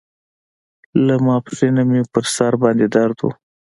له ماسپښينه مې پر سر باندې درد و.